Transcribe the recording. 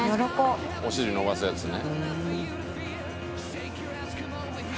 「お尻伸ばすやつね」